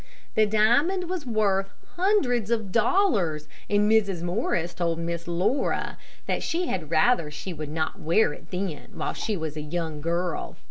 The diamond was worth hundreds of dollars, and Mrs. Morris told Miss Laura that she had rather she would not wear it then, while she was a young girl.